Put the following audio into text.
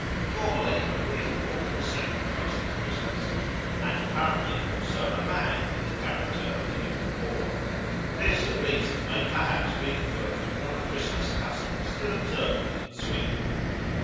Formerly a real boar was sacrificed at Christmas, and apparently also a man in the character of the Yule Boar. This, at least, may perhaps be inferred from a Christmas custom still observed in Sweden.